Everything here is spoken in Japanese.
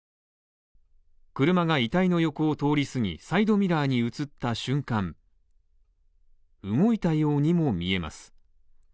車が遺体の横を通りすぎサイドミラーに映った瞬間動いたようにも見えます。